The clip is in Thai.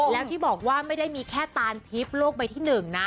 แล้วที่บอกว่าไม่ได้มีแค่ตานทิพย์โลกใบที่๑นะ